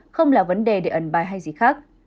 không là vấn đề để ẩn bài hay gì khác